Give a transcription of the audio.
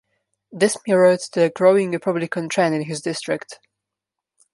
This mirrored the growing Republican trend in his district.